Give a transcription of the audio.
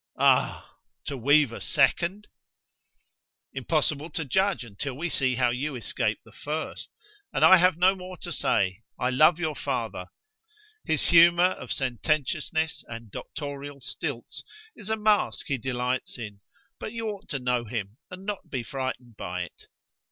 "Ah to weave a second?" "Impossible to judge until we see how you escape the first. And I have no more to say. I love your father. His humour of sententiousness and doctorial stilts is a mask he delights in, but you ought to know him and not be frightened by it.